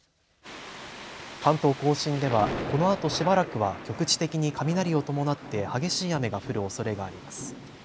関東甲信ではこのあとしばらくは局地的に雷を伴って激しい雨が降るおそれがあります。